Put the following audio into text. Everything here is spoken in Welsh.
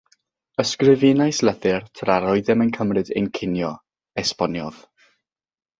"Ysgrifennais lythyr tra roeddem yn cymryd ein cinio," esboniodd.